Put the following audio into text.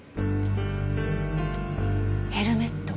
ヘルメット？